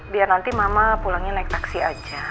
biar nanti mama pulangnya naik taksi aja